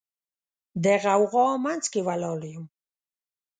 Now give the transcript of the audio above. د غوغا منځ کې ولاړ یم